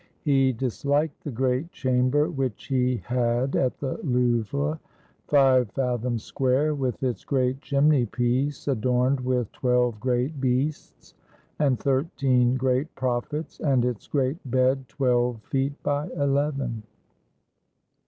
He dis liked the great chamber which he had at the Louvre, five fathoms square, with its great chimney piece adorned with twelve great beasts and thirteen great prophets, and its great bed, twelve feet by eleven.